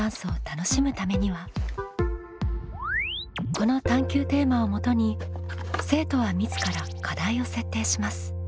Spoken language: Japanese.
この探究テーマをもとに生徒は自ら課題を設定します。